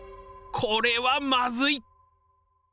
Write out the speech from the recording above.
これはまずい！